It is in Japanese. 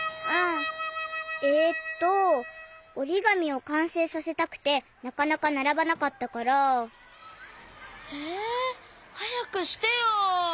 えっとおりがみをかんせいさせたくてなかなかならばなかったから。えはやくしてよ！